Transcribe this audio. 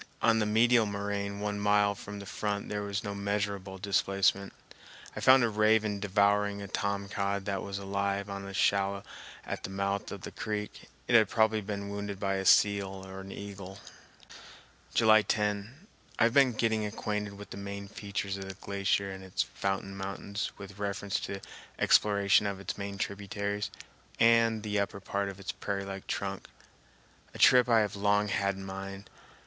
On the medial moraine one mile from the front there was no measureable displacement. I found a raven devouring a tom cod that was alive on a shallow at the mouth of the creek. It had probably been wounded by a seal or eagle. July 10. I have been getting acquainted with the main features of the glacier and its fountain mountains with reference to an exploration of its main tributaries and the upper part of its prairie like trunk, a trip I have long had in mind.